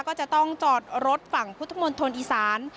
ก็จะต้องจอดรถฝั่งพุทธมณฑลอีสาน